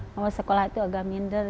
bahwa sekolah itu agak minder